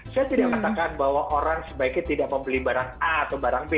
saya tidak katakan bahwa orang sebaiknya tidak membeli barang a atau barang b